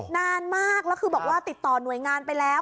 นานมากแล้วคือบอกว่าติดต่อหน่วยงานไปแล้ว